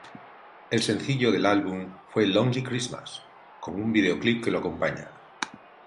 El sencillo del álbum fue "Lonely Christmas", con un videoclip que lo acompaña.